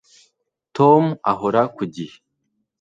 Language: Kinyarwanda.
Tom ahora ku gihe